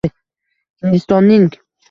Hindistonning